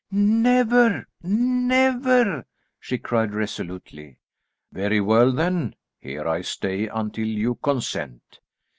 "Never, never," she cried resolutely. "Very well then; here I stay until you consent."